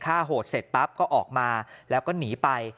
ถ้าโหดเสร็จปั๊บก็ออกมาแล้วก็หนีไป